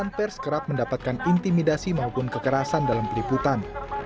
dewan pers kerap mendapatkan intimidasi maupun kekerasan dalam peliputan